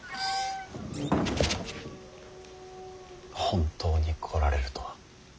本当に来られるとは。